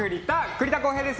栗田航兵です。